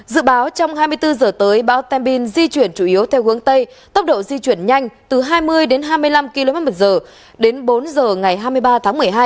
dự báo trong hai mươi bốn giờ tới bão temin di chuyển chủ yếu theo hướng tây tốc độ di chuyển nhanh từ hai mươi đến hai mươi năm kmh đến bốn giờ ngày hai mươi ba tháng một mươi hai